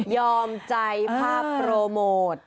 ยอมใจภาพโปรโมท